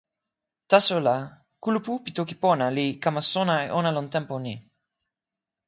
taso la, kulupu pi toki pona li kama sona e ona lon tenpo ni.